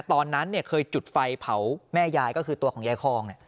ตอนนั้นเคยจุดไฟเผาแม่ยายก็คือตัวของยายคอง